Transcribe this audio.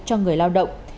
cho người lao động